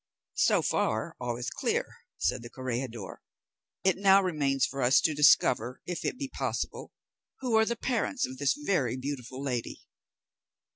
"So far all is clear," said the corregidor; "it now remains for us to discover, if it be possible, who are the parents of this very beautiful lady."